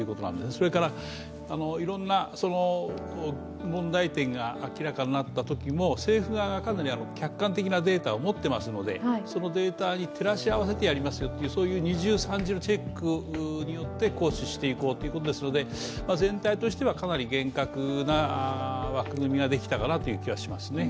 それからいろんな問題点が明らかになったときも政府側がかなり客観的なデータを持っていますのでそのデータに照らし合わせてやりますよという二重、三重のチェックによって行使していこうということですので全体としてはかなり厳格な枠組みができたかなという感じがしますね。